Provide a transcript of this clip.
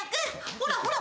ほらほら